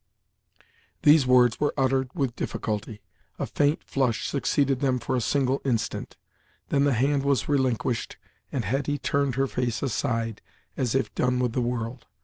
These words were uttered with difficulty; a faint flush succeeded them for a single instant. Then the hand was relinquished, and Hetty turned her face aside, as if done with the world.